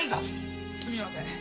すみません。